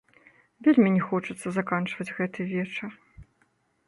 Вельмі не хочацца заканчваць гэты вечар.